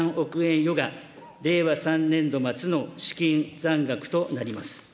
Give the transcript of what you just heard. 余が令和３年度末の資金残額となります。